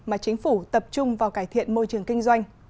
mà chính phủ tập trung vào cải thiện môi trường kinh doanh